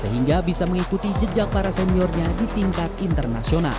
sehingga bisa mengikuti jejak para seniornya di tingkat internasional